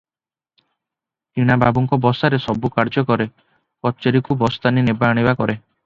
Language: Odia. କିଣା ବାବୁଙ୍କ ବସାରେ ସବୁ କାର୍ଯ୍ୟ କରେ, କଚେରିକୁ ବସ୍ତାନି ନେବା ଆଣିବା କରେ ।